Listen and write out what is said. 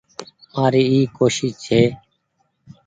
مآري اي ڪوشش ڇي ۔